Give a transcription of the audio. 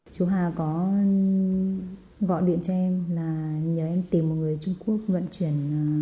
chú hà có gọi điện cho em là nhờ em tìm một người trung quốc vận chuyển